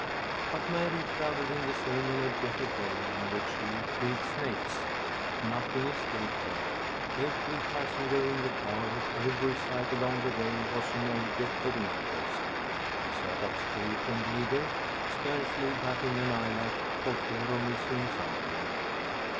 But Mary travelled in the same energetic way in which she killed snakes. Nothing escaped her. Every passenger in the car, every sight along the way was an object of interest. She sat up straight and eager, scarcely batting an eyelash, for fear of missing something.